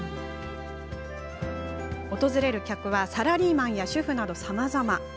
訪れる客はサラリーマンや主婦などさまざま。